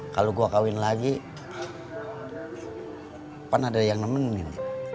kalo gue kawin lagi kan ada yang nemenin